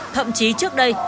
thậm chí trước đây